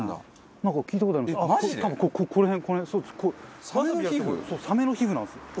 そうサメの皮膚なんですよ。